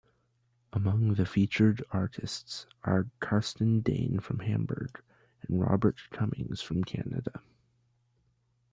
Among the featured artists are Carsten Dane from Hamburg, and Robert Cummings from Canada.